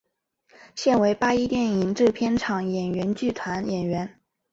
现为八一电影制片厂演员剧团演员。